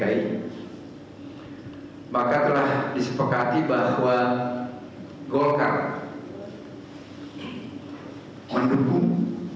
antara dpp dki bahkan telah disepakati bahwa golkar mendukung